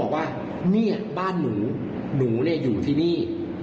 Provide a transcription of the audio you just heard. ว่าหนูหนูเนี่ยอยู่ที่นี่